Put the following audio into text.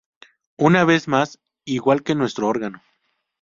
Una vez más, igual que nuestro órgano.